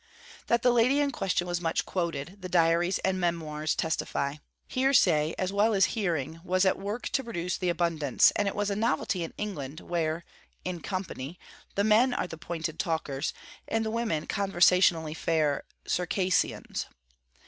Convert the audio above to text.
That the lady in question was much quoted, the Diaries and Memoirs testify. Hearsay as well as hearing was at work to produce the abundance; and it was a novelty in England, where (in company) the men are the pointed talkers, and the women conversationally fair Circassians.